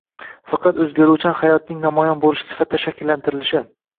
faqat o‘zgaruvchan hayotning namoyon bo‘lishi sifatida shakllantirilishi